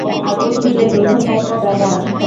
চাষির খোলায় আগুন দিয়ে রোশনাই করায় আমার শখ নেই।